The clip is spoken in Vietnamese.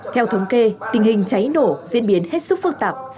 theo thống kê tình hình cháy nổ diễn biến hết sức phức tạp